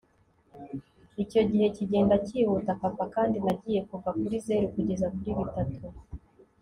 icyo gihe kigenda cyihuta papa kandi nagiye kuva kuri zeru kugeza kuri bitatu